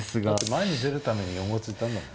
前に出るために４五突いたんだもんね。